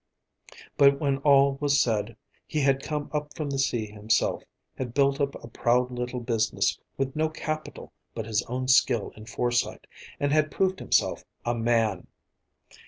But when all was said, he had come up from the sea himself, had built up a proud little business with no capital but his own skill and foresight, and had proved himself a man.